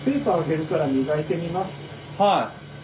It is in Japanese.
はい。